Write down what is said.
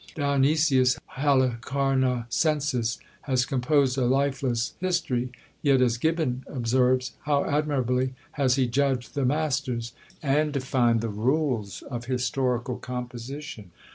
Dionysius Halicarnassensis has composed a lifeless history; yet, as Gibbon observes, how admirably has he judged the masters, and defined the rules, of historical composition!